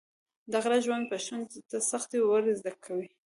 د غره ژوند پښتون ته سختي ور زده کوي.